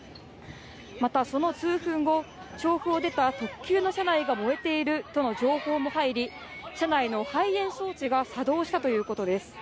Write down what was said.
またその数分後、調布を出た特急の車内が燃えているとの情報があり、車内の排煙装置が作動したということです。